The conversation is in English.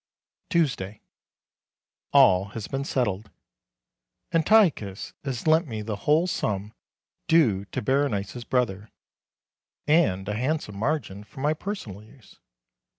Tuesday. All has been settled. Antiochus has lent me the whole sum due to Berenice's brother, and a handsome margin for my personal use.